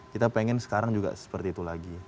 kita pengen sekarang juga seperti itu lagi